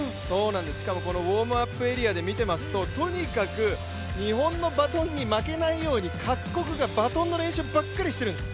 しかもこのウォームアップエリアで見ていますととにかく日本のバトンに負けないように、各国がバトンの練習ばかりしてるんです。